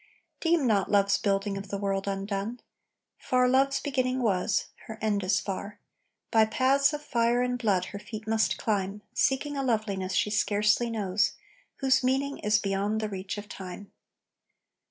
Deem not Love's building of the world undone Far Love's beginning was, her end is far; By paths of fire and blood her feet must climb, Seeking a loveliness she scarcely knows, Whose meaning is beyond the reach of Time.